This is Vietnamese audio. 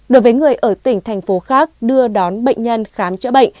đối với người ở tỉnh thành phố khác đưa đón bệnh nhân khám chữa bệnh